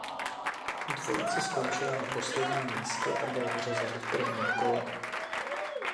Dvojice skončila na posledním místě a byla vyřazena v prvním kole.